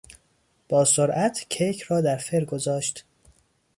با سرعت کیک را در فر گذاشت.